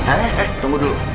eh eh tunggu dulu